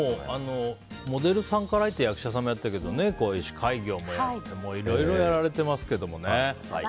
モデルさんから入って役者さんもやってるけど司会業もやっていろいろやられてますけどもね。